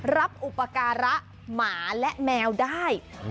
อุปการะหมาและแมวได้